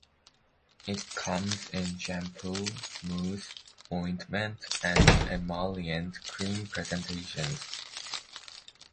It comes in shampoo, mousse, ointment and emollient cream presentations.